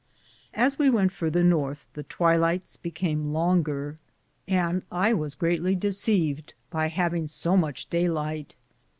As we went farther north the twilights became longer, and I was greatly deceived by having so much daylight.